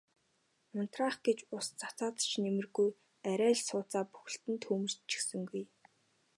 Унтраах гэж ус цацаад ч нэмэргүй арай л сууцаа бүхэлд нь түймэрдчихсэнгүй.